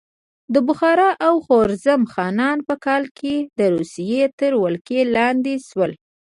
د بخارا او خوارزم خانان په کال کې د روسیې تر ولکې لاندې شول.